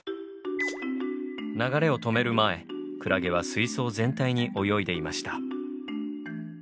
流れを止める前クラゲは水槽全体に泳いでいました。